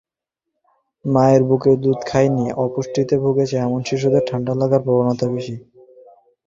মায়ের বুকের দুধ খায়নি, অপুষ্টিতে ভুগছে, এমন শিশুদের ঠান্ডা লাগার প্রবণতা বেশি।